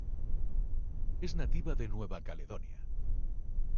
Es nativa de Nueva Caledonia.